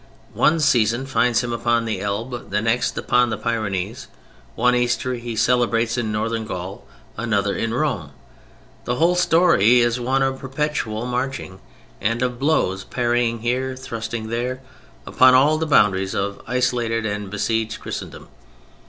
One season finds him upon the Elbe, the next upon the Pyrenees. One Easter he celebrates in Northern Gaul, another in Rome. The whole story is one of perpetual marching, and of blows parrying here, thrusting there, upon all the boundaries of isolated and besieged Christendom.